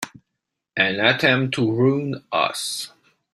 An attempt to ruin us!